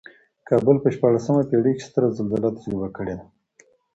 کابل په شپاړسمه پېړۍ کې ستره زلزله تجربه کړې ده.